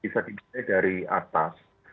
bisa diberi dari atas